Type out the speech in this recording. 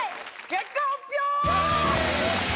結果発表！